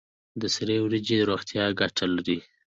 د سرې وریجې روغتیایی ګټې لري.